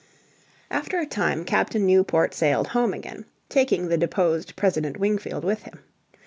After a time Captain Newport sailed home again, taking the deposed President Wingfield with him.